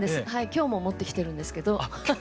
今日も持ってきてるんですけど。